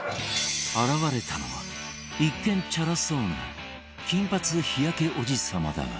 現れたのは一見チャラそうな金髪日焼けおじ様だが